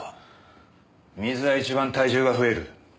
水が一番体重が増える。